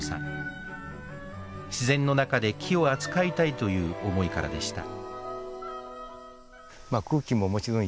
自然の中で木を扱いたいという思いからでした